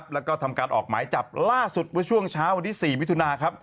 แล้วก็ทำการออกหมายจับล่าสุดช่วงเช้าวันที่๔วิทยุนาค์